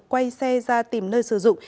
quay xe ra tìm nơi sử dụng